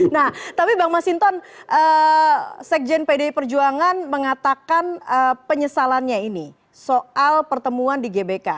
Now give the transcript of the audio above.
nah tapi bang masinton sekjen pdi perjuangan mengatakan penyesalannya ini soal pertemuan di gbk